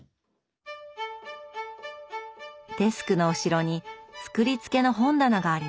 デスクの後ろに作りつけの本棚があります。